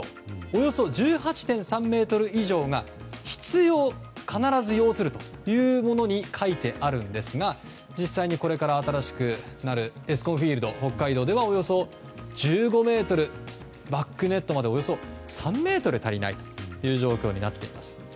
およそ１８．３ｍ以上が必要、必ず要すると書いてあるんですが実際にこれから新しくなるＥＳＣＯＮＦＩＥＬＤＨＯＫＫＡＩＤＯではおよそ１５ｍバックネットまでおよそ３ｍ足りないという状況になっています。